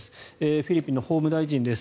フィリピンの法務大臣です。